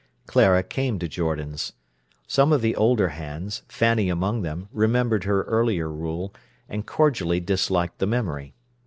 Clara came to Jordan's. Some of the older hands, Fanny among them, remembered her earlier rule, and cordially disliked the memory.